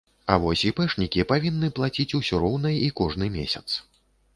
А вось іпэшнікі павінны плаціць усё роўна і кожны месяц.